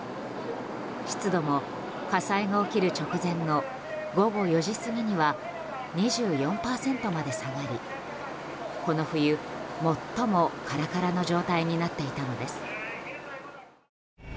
湿度も火災が起きる直前の午後４時過ぎには２４％まで下がりこの冬、最もカラカラの状態になっていたのです。